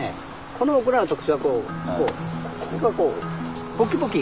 このオクラの特徴はここがこうポキポキ。